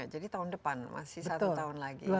jadi tahun depan masih satu tahun lagi